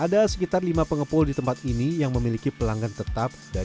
ada sekitar lima pengepul di tempat ini yang memiliki pelanggan yang berpengaruh untuk membuat cacing sutra